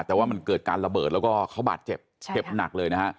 แต่ว่ามันเกิดการระเบิดแล้วก็เขาบาดเจ็บเจ็บหนักเลยนะฮะ